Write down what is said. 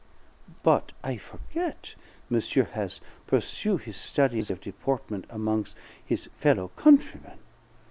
But I forget. Monsieur has pursue' his studies of deportment amongs' his fellow countrymen.